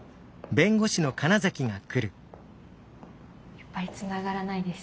やっぱりつながらないです。